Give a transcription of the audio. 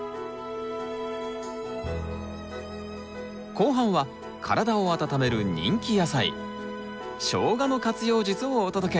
後半は体を温める人気野菜ショウガの活用術をお届け！